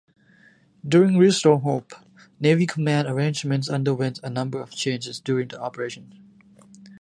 During 'Restore Hope,' Navy command arrangements underwent a number of changes during the operation.